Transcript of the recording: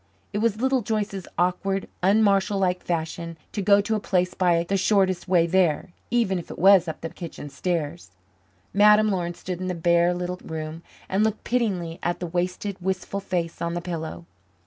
It was Little Joyce's awkward, unMarshall like fashion to go to a place by the shortest way there, even if it was up the kitchen stairs. Madame Laurin stood in the bare little room and looked pityingly at the wasted, wistful face on the pillow.